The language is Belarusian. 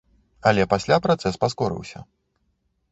Але пасля працэс паскорыўся.